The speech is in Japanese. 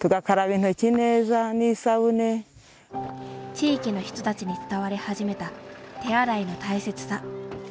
地域の人たちに伝わり始めた手洗いの大切さ。